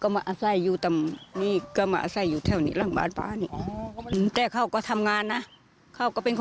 ไม่โทษสร้างหรอก